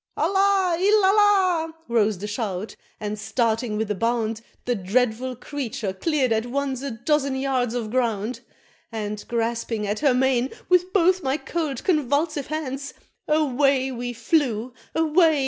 "Allah! il Allah!" rose the shout, and starting with a bound, The dreadful Creature cleared at once a dozen yards of ground; And grasping at her mane with both my cold convulsive hands, Away we flew away!